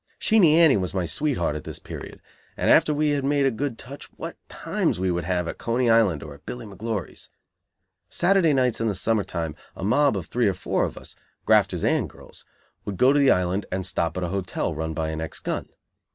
Sheenie Annie was my sweetheart at this period, and after we had made a good touch what times we would have at Coney Island or at Billy McGlory's! Saturday nights in the summer time a mob of three or four of us, grafters and girls, would go to the island and stop at a hotel run by an ex gun.